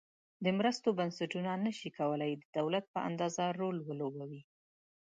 د مرستو بنسټونه نشي کولای د دولت په اندازه رول ولوبوي.